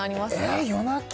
え夜泣き？